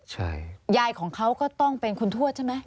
ใช่ยายของเขาก็ต้องเป็นคุณทวดใช่ไหม